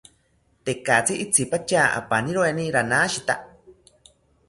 Tekatzi itzipatya apaniroeni ranashita